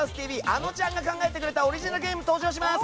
あのちゃんが考えてくれたオリジナルゲーム登場します。